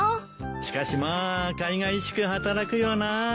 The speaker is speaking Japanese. しかしまあかいがいしく働くよなあ。